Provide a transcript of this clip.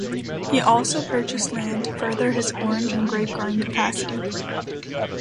He also purchased land to further his orange and grape growing capacity.